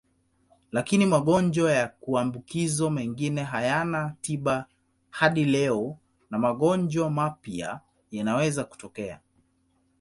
Lakini magonjwa ya kuambukizwa mengine hayana tiba hadi leo na magonjwa mapya yanaweza kutokea.